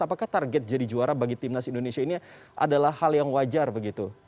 apakah target jadi juara bagi timnas indonesia ini adalah hal yang wajar begitu